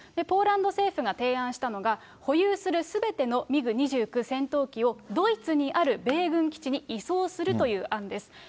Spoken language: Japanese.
ポーランド政府が提案したのが、保有するすべてのミグ２９戦闘機をドイツにある米軍基地に移送するという案です。